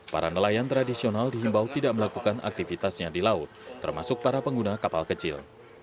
para nelayan tradisional dihimbau tidak melakukan aktivitasnya di laut termasuk para pengguna kapal kecil